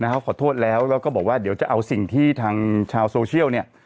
เขาขอโทษแล้วแล้วก็บอกว่าเดี๋ยวจะเอาสิ่งที่ทางชาวโซเชียลเนี่ย